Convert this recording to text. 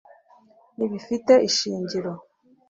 ntibifite ishingiro